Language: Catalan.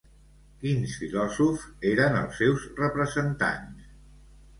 Quins filòsofs eren els seus representants?